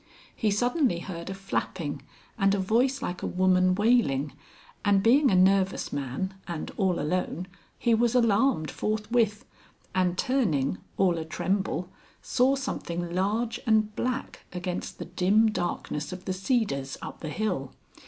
He suddenly heard a flapping and a voice like a woman wailing, and being a nervous man and all alone, he was alarmed forthwith, and turning (all a tremble) saw something large and black against the dim darkness of the cedars up the hill.